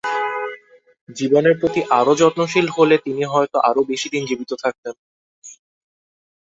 জীবনের প্রতি আরও যত্নশীল হলে তিনি হয়তো আরও বেশিদিন জীবিত থাকতেন।